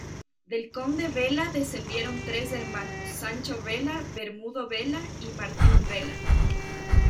Del Conde Vela descendieron tres hermanos: Sancho Vela, Bermudo Vela y Martín Vela.